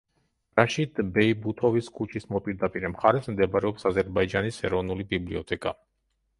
რაშიდ ბეიბუთოვის ქუჩის მოპირდაპირე მხარეს მდებარეობს აზერბაიჯანის ეროვნული ბიბლიოთეკა.